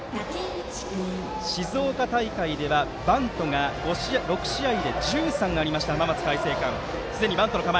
静岡大会ではバントが６試合で１３ありました浜松開誠館。